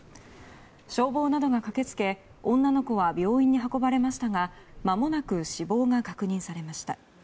消防などが駆けつけ女の子は病院に運ばれましたがまもなく死亡が確認されました。